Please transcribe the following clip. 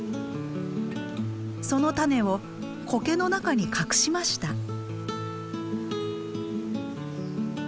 その種をコケの中に隠しました。